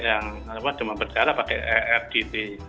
jangan pakai yang demam berdarah pakai ardt